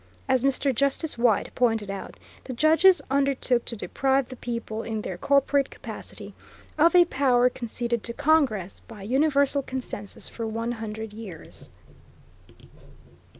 As Mr. Justice White pointed out, the judges undertook to deprive the people, in their corporate capacity, of a power conceded to Congress "by universal consensus for one hundred years."